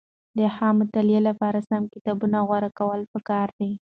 د ښه مطالعې لپاره سم کتابونه غوره کول پکار دي.